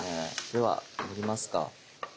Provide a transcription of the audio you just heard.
では盛りますか。